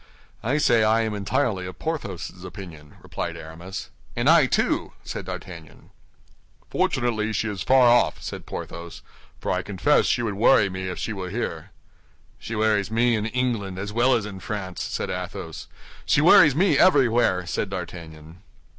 "I say I am entirely of Porthos's opinion," replied Aramis. "And I, too," said D'Artagnan. "Fortunately, she is far off," said Porthos, "for I confess she would worry me if she were here." "She worries me in England as well as in France," said Athos. "She worries me everywhere," said D'Artagnan.